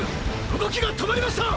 動きが止まりました！！